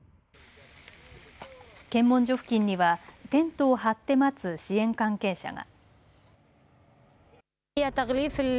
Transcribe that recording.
検問所付近にはテントを張って待つ支援関係者が。